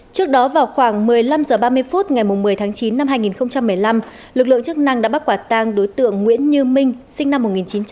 trước đó vào khoảng một mươi năm h ba mươi phút ngày một mươi tháng chín năm hai nghìn một mươi năm lực lượng chức năng đã bắt quả tang đối tượng nguyễn như minh sinh năm một nghìn chín trăm tám mươi